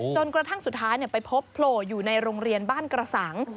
จนกระทั่งสุดท้ายไปพบโผล่อยู่ในโรงเรียนบ้านกระสัง